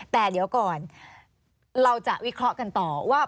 แต่เดี๋ยวก่อนเราจะวิเคราะห์กันต่อว่า